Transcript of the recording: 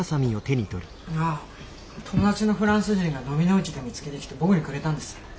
ああ友達のフランス人がのみの市で見つけてきて僕にくれたんです。